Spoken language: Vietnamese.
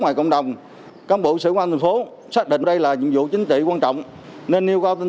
với phòng chống công an thành phố xác định đây là nhiệm vụ chính trị quan trọng nên yêu cao tinh